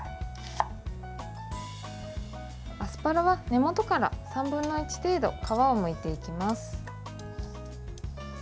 アスパラは根元から３分の１程度皮をむいていきます。